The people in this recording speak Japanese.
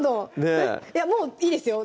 もういいですよ